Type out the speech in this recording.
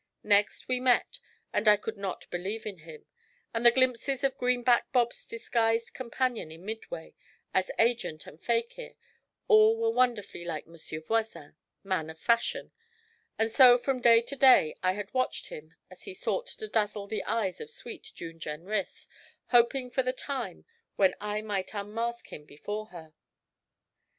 Next we met, and I could not believe in him; and the glimpses of Greenback Bob's disguised companion in Midway, as agent and fakir, all were wonderfully like Monsieur Voisin, man of fashion; and so from day to day I had watched him as he sought to dazzle the eyes of sweet June Jenrys, hoping for the time when I might unmask him before her.